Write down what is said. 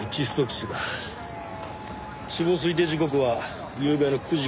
死亡推定時刻はゆうべの９時から１１時。